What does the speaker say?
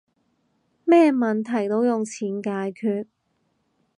咩問題都用錢解決